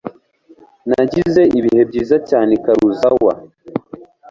Nagize ibihe byiza cyane i Karuizawa.